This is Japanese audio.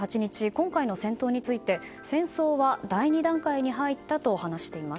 今回の戦闘について戦争は第２段階に入ったと話しています。